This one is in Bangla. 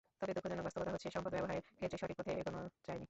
তবে দুঃখজনক বাস্তবতা হচ্ছে, সম্পদ ব্যবহারের ক্ষেত্রে সঠিক পথে এগোনো যায়নি।